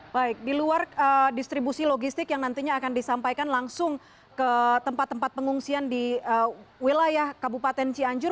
baik di luar distribusi logistik yang nantinya akan disampaikan langsung ke tempat tempat pengungsian di wilayah kabupaten cianjur